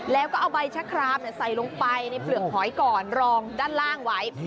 แล้วก็เอาใบชะครามใส่ลงไปในเปลือกหอยก่อนรองด้านล่างไว้